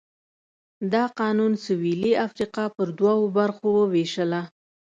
دا قانون سوېلي افریقا پر دوو برخو ووېشله.